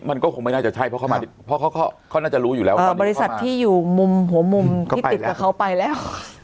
มันก็คงไม่น่าจะใช่เพราะเขามาเพราะเขาน่าจะรู้อยู่แล้วว่าบริษัทที่อยู่มุมหัวมุมที่ติดกับเขาไปแล้ว